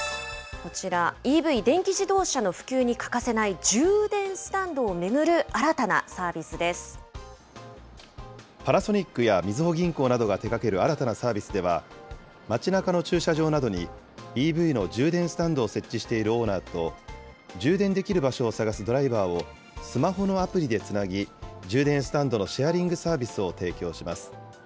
こちら、ＥＶ・電気自動車の普及に欠かせない充電スタンドを巡る新たなサパナソニックやみずほ銀行などが手がける新たなサービスでは、街なかの駐車場などに、ＥＶの充電スタンドを設置しているオーナーと、充電できる場所を探すドライバーをスマホのアプリでつなぎ、充電スタンドのシェアリングサービスを提供します。